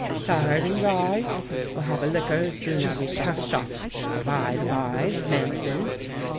"Tired and dry. Well have a liquor as soon as we shut the shop. By the bye, the mail's in."